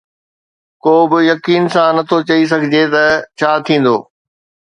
ڪو به يقين سان نٿو چئي سگهي ته ڇا ٿيندو.